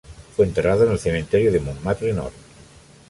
Fue enterrado en el cementerio de Montmartre Nord.